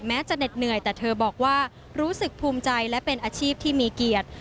แม้จะเหน็ดเหนื่อยแต่เธอบอกว่ารู้สึกภูมิใจและเป็นอาชีพที่มีเกียรติ